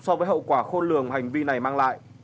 so với hậu quả khôn lường hành vi này mang lại